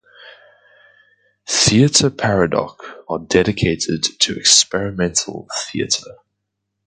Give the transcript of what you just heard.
Theatre Paradok are dedicated to experimental theatre.